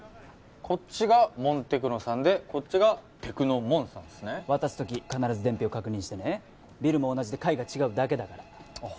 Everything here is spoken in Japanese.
こっちがｍｏｎテクノさんでこっちがテクノｍｏｎさんですね渡す時必ず伝票確認してねビルも同じで階が違うだけだからあっ